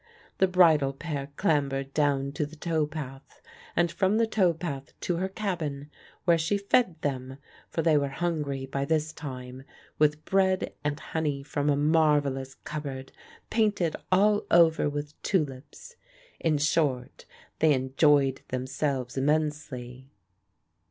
The bridal pair clambered down to the towpath, and from the towpath to her cabin, where she fed them (for they were hungry by this time) with bread and honey from a marvellous cupboard painted all over with tulips: in short, they enjoyed themselves immensely.